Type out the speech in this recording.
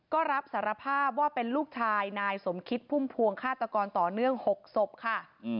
ก็รับสารภาพว่าเป็นลูกชายนายสมคิดพุ่มพวงฆาตกรต่อเนื่อง๖ศพค่ะ